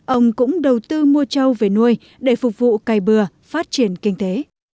ông cũng đầu tư mua trâu về nuôi để phục vụ cày bừa phát triển kinh tế